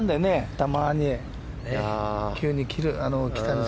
たまに。